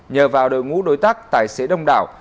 nhờ vào đội ngũ đối tác tài xế đông đảo